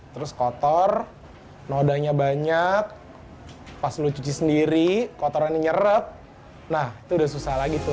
terus kotor nodanya banyak pas lu cuci sendiri kotorannya nyerep nah itu udah susah lagi tuh